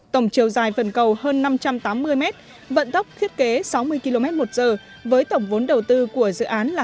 tổng chiều dài phần cầu hơn năm trăm tám mươi m vận tốc thiết kế sáu mươi km một giờ với tổng vốn đầu tư của dự án là